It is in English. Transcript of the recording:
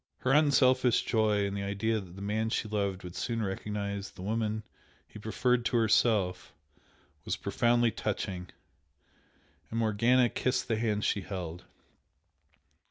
Her unselfish joy in the idea that the man she loved would soon recognise the woman he preferred to herself, was profoundly touching, and Morgana kissed the hand she held.